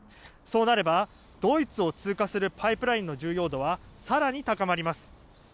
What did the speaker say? そうなればドイツを通過するパイプラインの重要度は更に高まります。